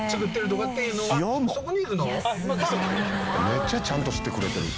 「めっちゃちゃんと知ってくれてる」